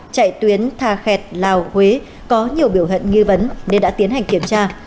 chạy tuyến thà khẹt lào huế có nhiều biểu hận nghi vấn nên đã tiến hành kiểm tra